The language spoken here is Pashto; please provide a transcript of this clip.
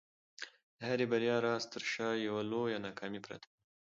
د هري بریا راز تر شا یوه لویه ناکامي پرته ده.